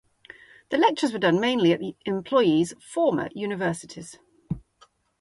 The lectures were done mainly at the employees' former universities.